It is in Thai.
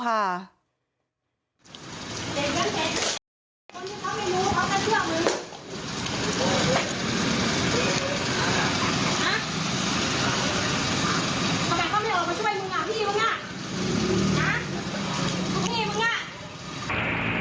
หาทำไมเขาไม่ออกมาช่วยมึงพี่มึง